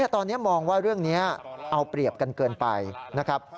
ตอนนี้มองว่าเรื่องนี้เอาเปรียบกันเกินไปนะครับ